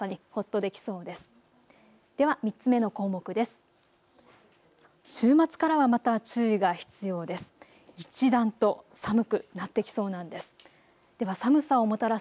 では３つ目の項目です。